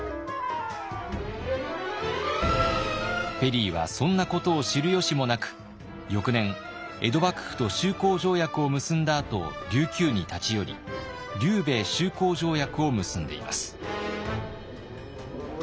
ペリーはそんなことを知る由もなく翌年江戸幕府と修好条約を結んだあと琉球に立ち寄り琉米修好条約を結んでいます。